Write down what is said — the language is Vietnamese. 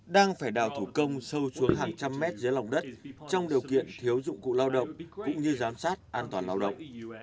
đang phải đào thủ công sâu xuống hàng trăm mét dưới lòng đất trong điều kiện thiếu dụng cụ lao động cũng như giám sát an toàn lao động